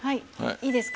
いいですか？